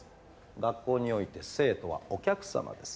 学校において生徒はお客さまです。